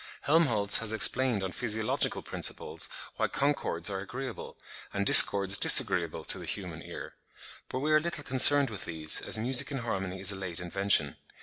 Helmholtz has explained on physiological principles why concords are agreeable, and discords disagreeable to the human ear; but we are little concerned with these, as music in harmony is a late invention.